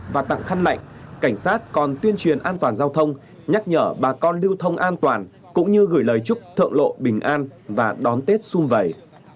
và tặng khăn lạnh cảnh sát còn tuyên truyền an toàn giao thông nhắc nhở bà con lưu thông an toàn cũng như gửi lời chúc thợ lộ bình an và đón tết xung vầy